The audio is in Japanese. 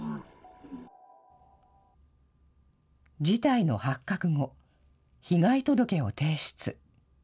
事態の発覚後、被害届を提出。